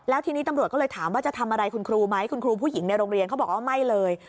แล้วทีนี้ตำรวจก็เลยถามว่าจะทำอะไรคุณครูไหมคุณครูผู้หญิงในโรงเรียนเขาบอกว่าไม่เลย